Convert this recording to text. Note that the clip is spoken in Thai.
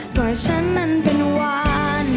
เพราะฉะนั้นเป็นวาน